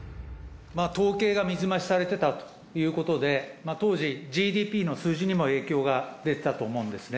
統計が水増しされてたということで、当時、ＧＤＰの数字にも影響が出てたと思うんですね。